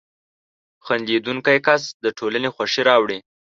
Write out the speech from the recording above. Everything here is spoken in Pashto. • خندېدونکی کس د ټولنې خوښي راوړي.